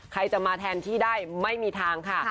ใครจะมาแทนที่ได้ไม่มีทางค่ะ